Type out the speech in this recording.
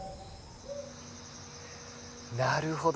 なるほど！